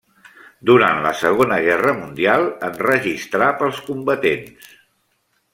Durant la segona guerra mundial enregistrà pels combatents.